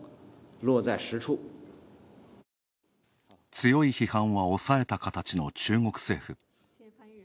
強い批判は抑えた形の中国政府。